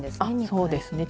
そうですね